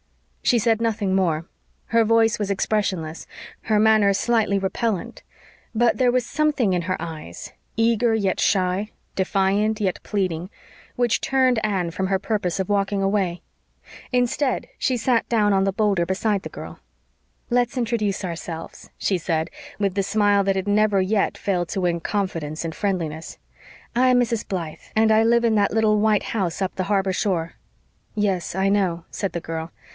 She said nothing more; her voice was expressionless; her manner slightly repellent; but there was something in her eyes eager yet shy, defiant yet pleading which turned Anne from her purpose of walking away. Instead, she sat down on the boulder beside the girl. "Let's introduce ourselves," she said, with the smile that had never yet failed to win confidence and friendliness. "I am Mrs. Blythe and I live in that little white house up the harbor shore." "Yes, I know," said the girl.